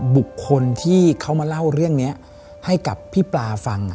บุคคลที่เขามาเล่าเรื่องนี้ให้กับพี่ปลาฟัง